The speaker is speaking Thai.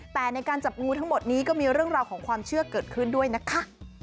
แต่ในการจับงูทั้งหมดนี้ก็มีเรื่องราวของความเชื่อเกิดขึ้นด้วยนะคะ